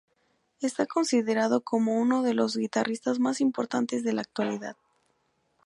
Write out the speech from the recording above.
Está considerado como uno de los guitarristas más importantes de la actualidad.